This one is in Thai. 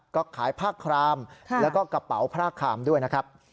ก็ขายผ้าครามแล้วก็กระเป๋าผ้าครามด้วยนะครับ